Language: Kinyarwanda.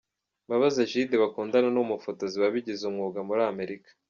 Mbabazi Egide bakundana ni umufotozi wabigize umwuga muri Amerika.